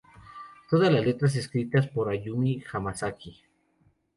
Todas las letras escritas por Ayumi Hamasaki.